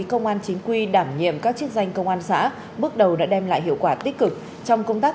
công an chính quy đảm nhiệm các chức danh công an xã bước đầu đã đem lại hiệu quả tích cực trong công tác